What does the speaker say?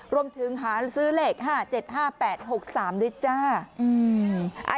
รวมถึงหาซื้อเลข๕๗๕๘๖๓ด้วยจ้า